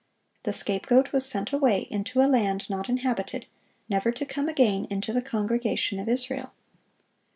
The scapegoat was sent away into a land not inhabited, never to come again into the congregation of Israel.